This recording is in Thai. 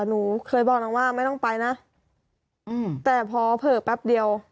หนูเคยบอกนางว่าไม่ต้องไปนะอืมแต่พอเผลอแป๊บเดียว